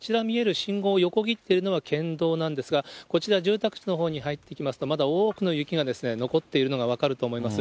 信号を横切っているのが県道なんですが、こちら、住宅地のほうに入ってきますと、多くの雪が残っているのが分かると思います。